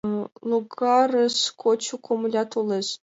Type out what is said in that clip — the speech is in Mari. Логарыш кочо комыля толеш.